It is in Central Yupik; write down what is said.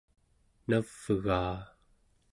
navgaa